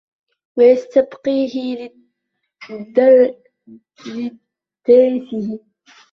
وَيَسْتَبْقِيهِ لِلَذَّتِهِ